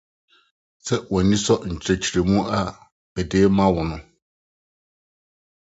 So w'ani sɔ nkyerɛkyerɛmu a mede rema wo no?